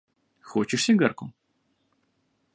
Хочешь сигарку?